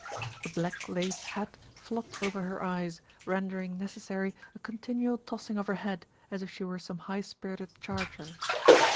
A black lace hat flopped over her eyes, render ing necessary a continual tossing of her head, as if she were some high spirited charger.